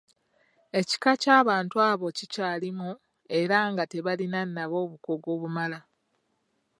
Ekika ky’abantu abo kikyalimu era nga tebalina nabo bukugu bumala.